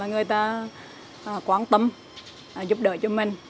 người ta quan tâm giúp đỡ cho mình